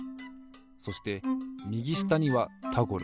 そしてみぎしたには「タゴラ」。